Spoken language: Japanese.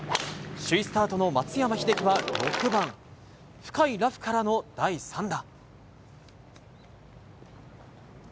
首位スタートの松山英樹は６番、深いラフからの第３打。